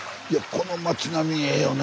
この町並みええよね。